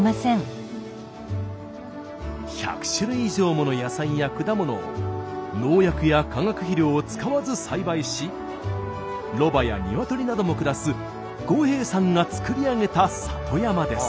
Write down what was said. １００種類以上もの野菜や果物を農薬や化学肥料を使わず栽培しロバや鶏なども暮らす五兵衛さんが作り上げた里山です。